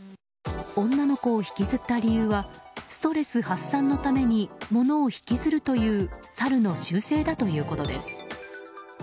女の子を引きずった理由はストレス発散のために物を引きずるというサルの習性だということです。